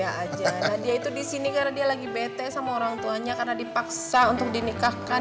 aja dia itu disini karena dia lagi bete sama orangtuanya karena dipaksa untuk dinikahkan